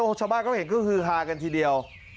โอ้ชาวบ้านก็เห็นคือคือฮากันทีเดียว